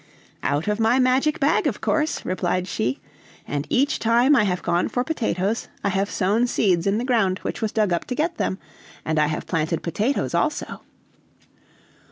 "Out of my magic bag, of course!" replied she. "And each time I have gone for potatoes, I have sown seeds in the ground which was dug up to get them; and I have planted potatoes also."